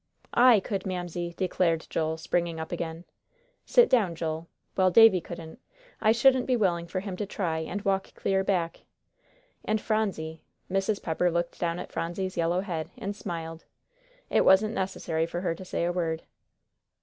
"I could, Mamsie," declared Joel, springing up again. "Sit down, Joel; well, Davie couldn't. I shouldn't be willing for him to try, and walk clear back. And Phronsie " Mrs. Pepper looked down at Phronsie's yellow head, and smiled. It wasn't necessary for her to say a word.